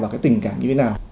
và cái tình cảm như thế nào